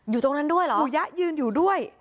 อยู่ตรงนั้นด้วยเหรออยู่ยะยืนอยู่ด้วย